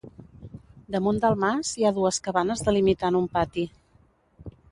Damunt del mas hi ha dues cabanes delimitant un pati.